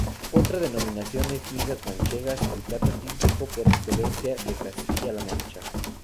Otra denominación es migas manchegas, el plato típico por excelencia de Castilla la Mancha.